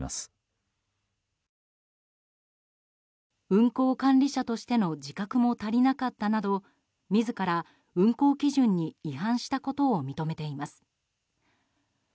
運航管理者としての自覚も足りなかったなど自ら運航基準に違反したことを認めています。